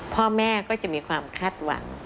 พ่อแม่ก็จะมีความคาดหวัง